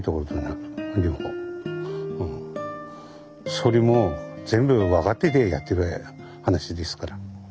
それも全部分かっててやってる話ですから。